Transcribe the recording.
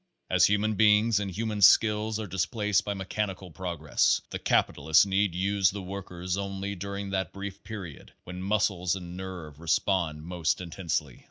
As human beings and human skill are displaced by mechanical progress, the capitalists need use the workersonly dur ing that brief period when muscles and nerve respond Page Thirty six most intensely.